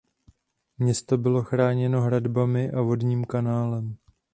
Město bylo chráněno hradbami a vodním kanálem.